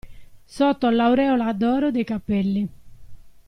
Sotto l'aureola d'oro dei capelli.